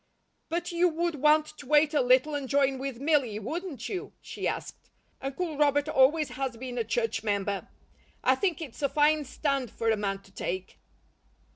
"But you would want to wait a little and join with Milly, wouldn't you?" she asked. "Uncle Robert always has been a church member. I think it's a fine stand for a man to take."